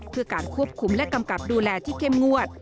เพื่อการควบคุมและกำกับดูแลที่เข้มงวด